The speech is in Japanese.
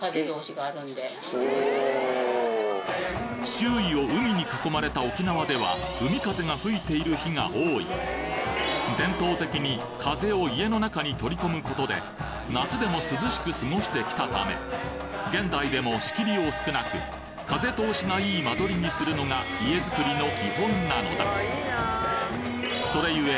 周囲を海に囲まれた伝統的に風を家の中に取り込むことで夏でも涼しく過ごしてきたため現代でも仕切りを少なく風通しがいい間取りにするのが家づくりの基本なのだそれゆえ